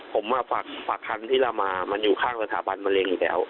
ผมว่าฝากทันที่ลามามันอยู่ข้างสถาบันมะเร็งแล้ว